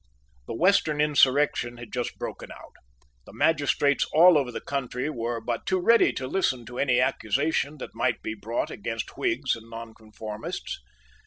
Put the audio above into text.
The Western Insurrection had just broken out. The magistrates all over the country were but too ready to listen to any accusation that might be brought against Whigs and Nonconformists.